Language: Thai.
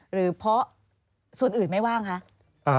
หรือเพราะส่วนอื่นไม่ว่างคะ